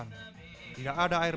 irfan yang mengatakan